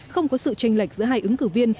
không có sự tranh lệch giữa hai ứng cử viên